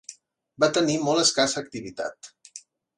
Va tenir molt escassa activitat.